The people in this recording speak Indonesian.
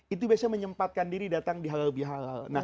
itu biasanya menyempatkan diri datang di halal bihalal